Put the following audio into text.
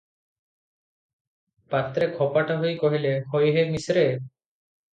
ପାତ୍ରେ ଖପାଟା ହୋଇ କହିଲେ, "ହୋଇ ହେ ମିଶ୍ରେ!